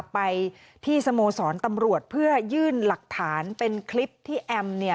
ไปที่สโมสรตำรวจเพื่อยื่นหลักฐานเป็นคลิปที่แอม